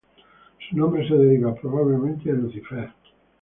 Su nombre se deriva probablemente de Lucifer.